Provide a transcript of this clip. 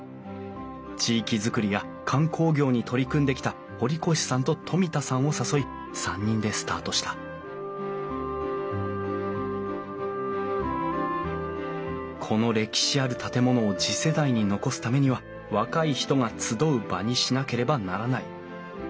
地域づくりや観光業に取り組んできた堀越さんと冨田さんを誘い３人でスタートしたこの歴史ある建物を次世代に残すためには若い人が集う場にしなければならない。